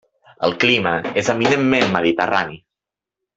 El clima és eminentment mediterrani.